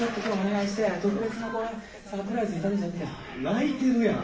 泣いてるやん。